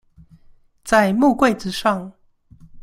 在木櫃子上